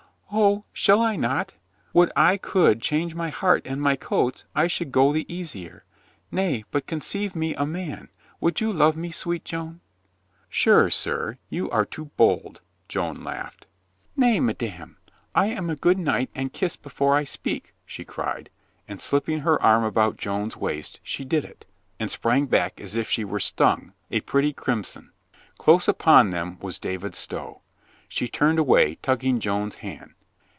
"O, shall I not! Would I could change my heart and my coats, I should go the easier. Nay, but conceive me a man ! Would you love me, sweet Joan?" "Sure, sir, you are too bold," Joan laughed. "Nay, madame, I am a good knight and kiss be fore I speak," she cried, and slipping her arm about Joan's waist, she did it — and sprang back as if she were stung, a pretty crimson. Close upon them was David Stow. She turned away, tugging Joan's hand.